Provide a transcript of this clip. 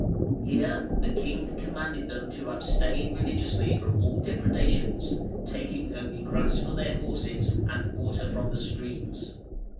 Here the king commanded them to abstain religiously from all depredations, taking only grass for their horses, and water from the streams.